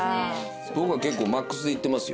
僕は結構マックスでいってますよ。